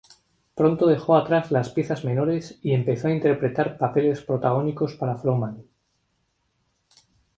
Pronto dejó atrás las piezas menores y empezó a interpretar papeles protagónicos para Frohman.